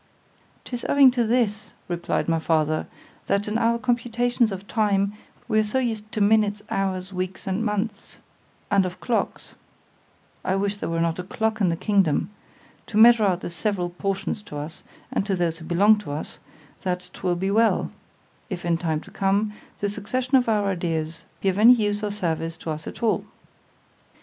——'Tis owing to this, replied my father, that in our computations of time, we are so used to minutes, hours, weeks, and months——and of clocks (I wish there was not a clock in the kingdom) to measure out their several portions to us, and to those who belong to us——that 'twill be well, if in time to come, the succession of our ideas be of any use or service to us at all.